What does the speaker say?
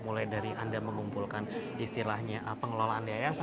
mulai dari anda mengumpulkan istilahnya pengelolaan yayasan